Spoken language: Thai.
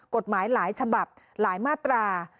กฎหมายหลายฉบับหลายมาตรา